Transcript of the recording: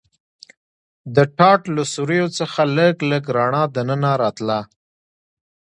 د ټاټ له سوریو څخه لږ لږ رڼا دننه راتله.